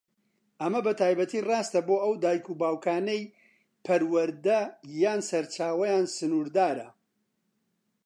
ئەمە بەتایبەتی ڕاستە بۆ ئەو دایک و باوکانەی پەروەردە یان سەرچاوەیان سنوردارە.